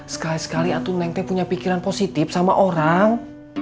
sekali sekali atuh neng teh punya pikiran positif sama orang